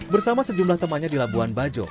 bersama sejumlah temannya di labuan bajo